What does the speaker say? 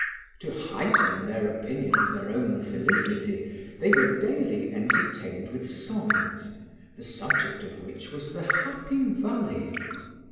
To heighten their opinion of their own felicity, they were daily entertained with songs, the subject of which was the Happy Valley.